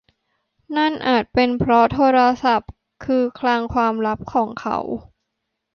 นั่นอาจเป็นเพราะโทรศัพท์คือคลังความลับของเขา